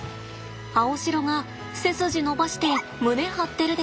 アオシロが背筋伸ばして胸張ってるでしょ？